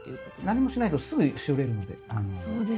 何もしないとすぐしおれるので。